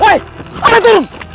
woy ada yang turun